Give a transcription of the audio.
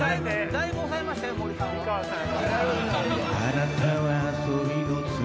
だいぶ抑えました森さん。